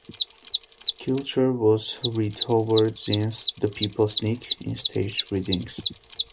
Kilcher has read Howard Zinn's "The People Speak" in staged readings.